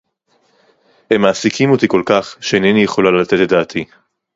הם מעסיקים אותי כל־כך, שאינני יכולה לתת את דעתי